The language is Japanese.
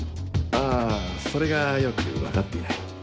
あそれがよく分かっていない。